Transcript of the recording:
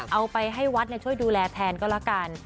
เอาไปให้วัดช่วยดูแลแทนก็แล้วกัน